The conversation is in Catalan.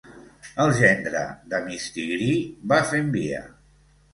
El gendre de "Mistigrì" va fent via.